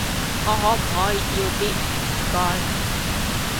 我可唔可以要啲，唔該？